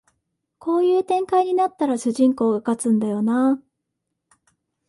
こういう展開になったら主人公が勝つんだよなあ